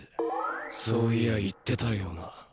そういや言ってたような。